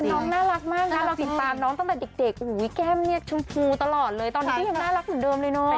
น้องน่ารักมากนะเราติดตามน้องตั้งแต่เด็กแก้มเนี่ยชมพูตลอดเลยตอนนี้ก็ยังน่ารักเหมือนเดิมเลยเนาะ